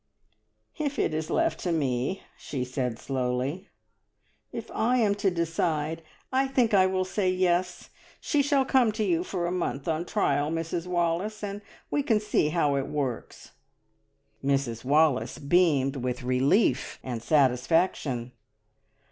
"If it is left to me," she said slowly, "if I am to decide, I think I will say `Yes'! She shall come to you for a month on trial, Mrs Wallace, and we can see how it works." Mrs Wallace beamed with relief and satisfaction.